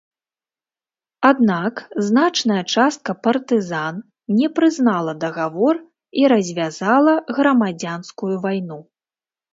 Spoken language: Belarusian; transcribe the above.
Аднак, значная частка партызан не прызнала дагавор і развязала грамадзянскую вайну.